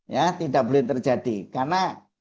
ya tidak boleh terjadi karena